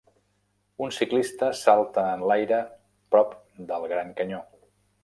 Un ciclista salta en l'aire prop del Gran Canyó.